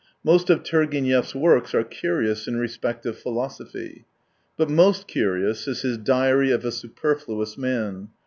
Most of Turgenev's works are curious in respect of philosophy. But most curious is his Diary of a Superfluous Man.